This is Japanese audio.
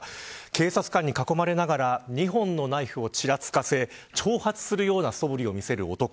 警察官に囲まれながら２本のナイフをちらつかせ挑発するようなそぶりを見せる男。